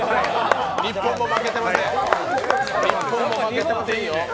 日本も負けてませんよ。